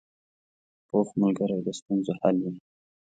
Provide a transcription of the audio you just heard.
پوخ ملګری د ستونزو حل وي